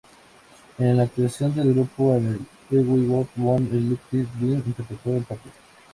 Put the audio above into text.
En la actuación del grupo en el Hollywood Bowl, Eric Idle interpretó el papel.